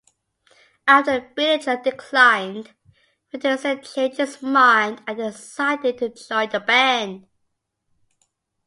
After Billie Joe declined, Frederiksen changed his mind and decided to join the band.